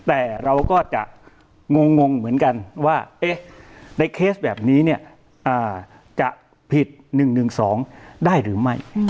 แต่เราก็จะงงเหมือนกันว่าในเคสแบบนี้เนี่ยจะผิด๑๑๒ได้หรือไม่